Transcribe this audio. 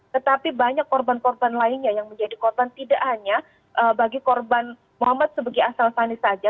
tetapi banyak korban korban lainnya yang menjadi korban tidak hanya bagi korban muhammad sebagai asal fani saja